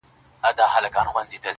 جهاني د خوب نړۍ ده پکښي ورک دی هر وګړی٫